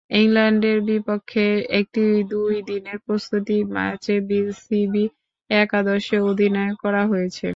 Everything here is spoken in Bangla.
ইংল্যান্ডের বিপক্ষে একটি দুই দিনের প্রস্তুতি ম্যাচে বিসিবি একাদশের অধিনায়ক করা হয়েছে।